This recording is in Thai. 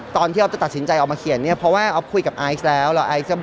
ตอนที่ออฟจะตัดสินใจออกมาเขียนเนี่ยเพราะว่าออฟคุยกับไอซ์แล้วแล้วไอซ์ก็บอก